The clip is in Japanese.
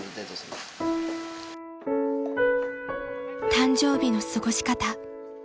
［誕生日の過ごし方］